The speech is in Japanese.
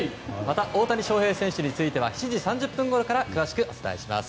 大谷翔平選手については７時３０分ごろから詳しくお伝えします。